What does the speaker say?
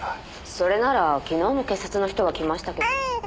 それなら昨日も警察の人が来ましたけど。